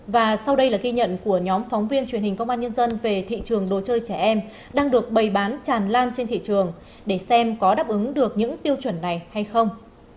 và sau đây là ghi nhận của nhóm phóng viên truyền hình công an nhân dân về thị trường đồ chơi trẻ em đang được bày bán tràn lan trên thị trường để xem có đáp ứng được những tiêu chuẩn này hay không